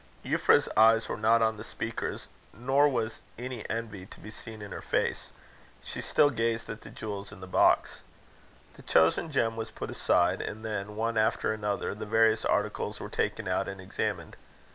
Euphrasia's eyes were not on the speakers, nor was any envy to be seen in her face. She still gazed at the jewels in the box. The chosen gem was put aside; and then, one after another, the various articles were taken out and examined.